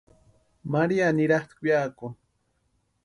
María nirhatʼi weakuni.